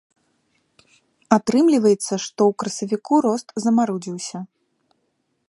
Атрымліваецца, што ў красавіку рост замарудзіўся.